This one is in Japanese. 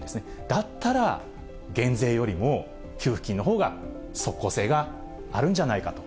だったら、減税よりも給付金のほうが即効性があるんじゃないかと。